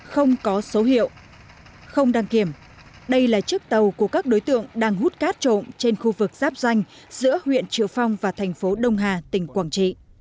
không có số hiệu không đăng kiểm đây là chiếc tàu của các đối tượng đang hút cát trộm trên khu vực giáp danh giữa huyện triệu phong và thành phố đông hà tỉnh quảng trị